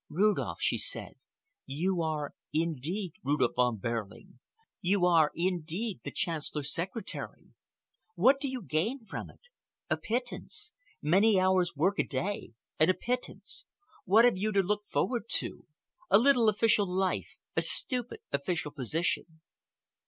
"Rudolph," she said, "you are indeed Rudolph Von Behrling, you are indeed the Chancellor's secretary. What do you gain from it? A pittance! Many hours work a day and a pittance. What have you to look forward to? A little official life, a stupid official position.